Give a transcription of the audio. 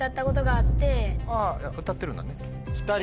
あぁ歌ってるんだね。